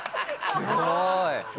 すごい。